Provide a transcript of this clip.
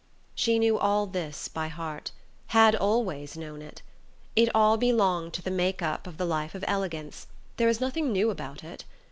She knew all this by heart; had always known it. It all belonged to the make up of the life of elegance: there was nothing new about it.